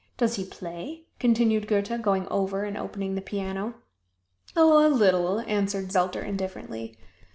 "Does he play?" continued Goethe, going over and opening the piano. "Oh, a little!" answered Zelter indifferently.